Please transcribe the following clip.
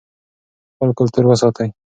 خپل کلتور وساتئ.